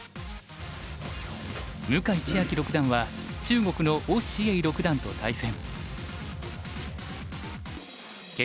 向井千瑛六段は中国の於之瑩六段と対戦。